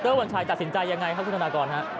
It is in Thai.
วัญชัยตัดสินใจยังไงครับคุณธนากรฮะ